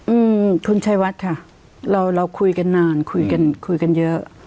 อืมคุณชัยวัดค่ะเราเราคุยกันนานคุยกันคุยกันเยอะ